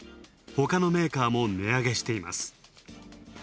ほかのメーカーも値上げしています。